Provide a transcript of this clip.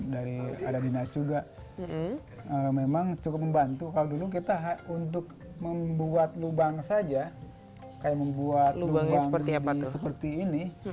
dari ada dinas juga memang cukup membantu kalau dulu kita untuk membuat lubang saja kayak membuat lubang seperti ini